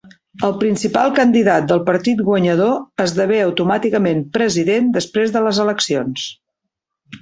El principal candidat del partit guanyador esdevé automàticament president després de les eleccions.